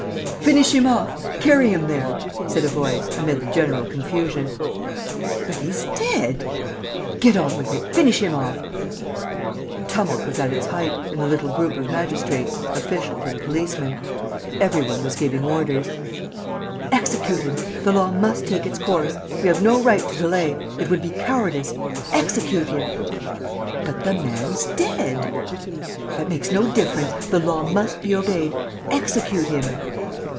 "Finish him off! Carry him there!" said a voice, amid the general confusion. "But he's dead!" "Get on with it ... finish him off!" Tumult was at its height, in the little group of magistrates, officials and policemen. Every one was giving orders: "Execute him!... The law must take its course!... We have no right to delay! It would be cowardice!... Execute him!" "But the man's dead!" "That makes no difference!... The law must be obeyed!... Execute him!"